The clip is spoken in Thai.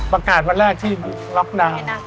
ประกาศวันแรกที่ล็อกดาวน์